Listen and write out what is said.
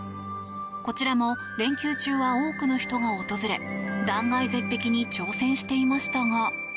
こちらも連休中は多くの人が訪れ断崖絶壁に挑戦していましたが。